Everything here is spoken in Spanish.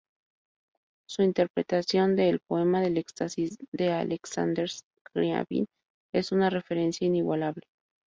Su interpretación de "El poema del Éxtasis" de Aleksandr Skriabin es una referencia inigualable.